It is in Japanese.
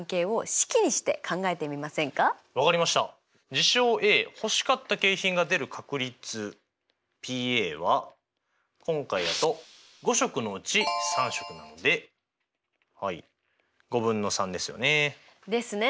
事象Ａ欲しかった景品が出る確率Ｐは今回だと５色のうち３色なのではい５分の３ですよね。ですね。